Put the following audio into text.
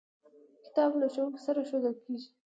کتابچه له ښوونکي سره ښودل کېږي